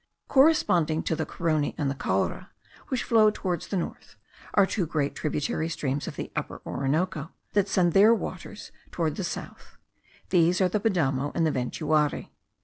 Corresponding to the Carony and the Caura, which flow toward the north, are two great tributary streams of the Upper Orinoco, that send their waters toward the south; these are the Padamo and the Ventuari.